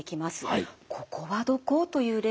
「ここはどこ？」という例です。